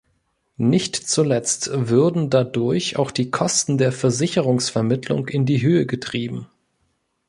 Nicht zuletzt würden dadurch auch die Kosten der Versicherungsvermittlung in die Höhe getrieben.